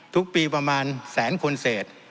ทุกปีประมาณแสนคนเศษ